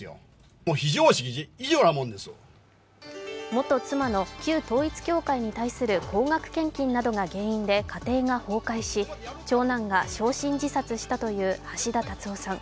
元妻の旧統一教会に対する高額献金などが原因で家庭が崩壊し、長男が焼身自殺したという橋田達夫さん。